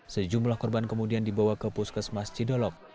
sejumlah korban kemudian dibawa ke puskesmas cidolok